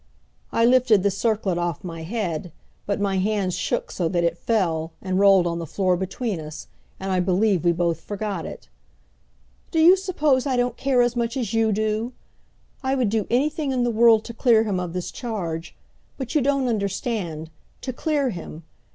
I lifted the circlet off my head, but my hands shook so that it fell, and rolled on the floor between us, and I believe we both forgot it. "Do you suppose I don't care as much as you do? I would do anything in the world to clear him of this charge. But you don't understand to clear him!